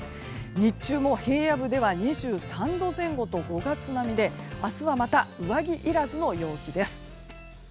日中も平野部では２３度前後と５月並みで明日はまた上着いらずの陽気です。